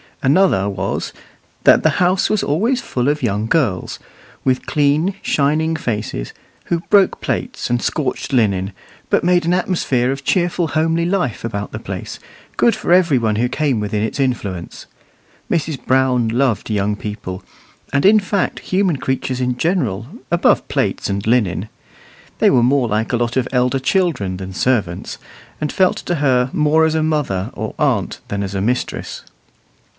Another was, that the house was always full of young girls, with clean, shining faces, who broke plates and scorched linen, but made an atmosphere of cheerful, homely life about the place, good for every one who came within its influence. Mrs. Brown loved young people, and in fact human creatures in general, above plates and linen. They were more like a lot of elder children than servants, and felt to her more as a mother or aunt than as a mistress.